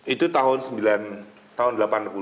itu tahun delapan puluh enam delapan puluh tujuh